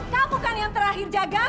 kamu kan yang terakhir jaga